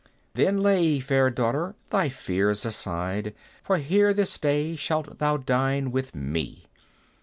"Then lay, fair daughter, thy fears aside, For here this day shalt thou dine with me!"